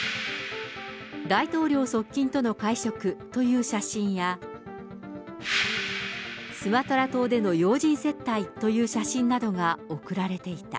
大統領側近との会食という写真や、スマトラ島での要人接待という写真などが送られていた。